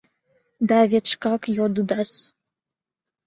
Да вет шкак йодыдас!